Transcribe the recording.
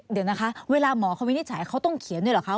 เดี๋ยวนะคะเวลาหมอเขาวินิจฉัยเขาต้องเขียนด้วยเหรอคะ